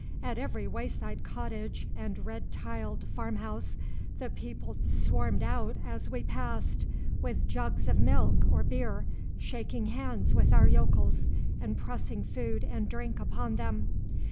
At every wayside cottage and red tiled farmhouse the people swarmed out us we passed, with jugs full of milk or beer, shaking hands with our yokels, and pressing food and drink upon them.